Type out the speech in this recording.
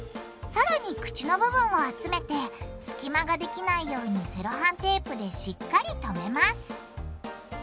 さらに口の部分を集めて隙間ができないようにセロハンテープでしっかりとめます